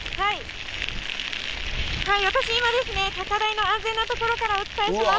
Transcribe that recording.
私、今、高台の安全な所からお伝えしています。